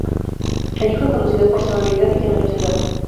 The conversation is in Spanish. Allí fue conocido por su amabilidad y generosidad.